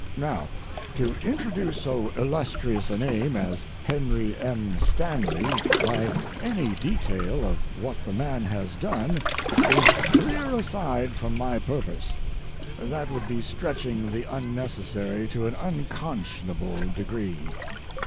Now, to introduce so illustrious a name as Henry M. Stanley by any detail of what the man has done is clear aside from my purpose; that would be stretching the unnecessary to an unconscionable degree.